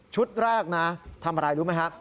ชุดแรกนะทำอะไรรู้ไหมครับ